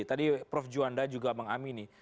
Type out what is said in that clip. tadi prof juanda juga mengamini